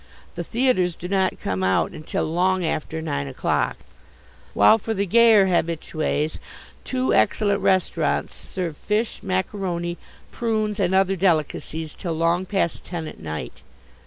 The theatres do not come out until long after nine o'clock, while for the gayer habitues two excellent restaurants serve fish, macaroni, prunes and other delicacies till long past ten at night.